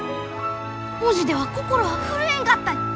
文字では心は震えんかったに！